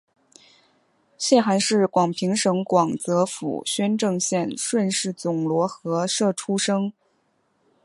谢涵是广平省广泽府宣政县顺示总罗河社出生。